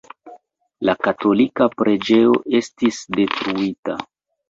La katolika preĝejo estis detruita.